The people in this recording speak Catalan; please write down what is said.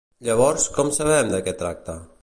Llavors, com sabem de què tracta?